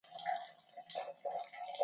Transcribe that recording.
په حجره کې د کیسو ویل پخوانی دود دی.